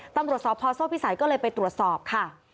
ตำรวจสพโซ่พิสัยก็เลยไปตรวจสอบค่ะ